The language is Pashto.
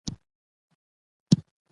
دوی تجارت او سیاست دواړه کوي.